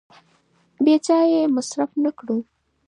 بې ځایه یې مصرف نه کړو.